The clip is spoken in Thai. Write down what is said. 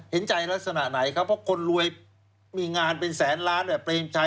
เห็นใจลักษณะไหนครับเพราะคนรวยมีงานเป็นแสนล้านเปรมชัย